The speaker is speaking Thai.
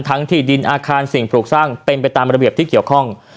ที่ดินอาคารสิ่งปลูกสร้างเป็นไปตามระเบียบที่เกี่ยวข้อง